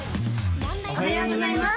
おはようございます